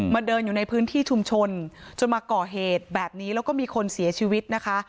เดินอยู่ในพื้นที่ชุมชนจนมาก่อเหตุแบบนี้แล้วก็มีคนเสียชีวิตนะคะ